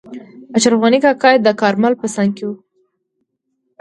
اشرف غني کاکا یې د کارمل په څنګ کې وو.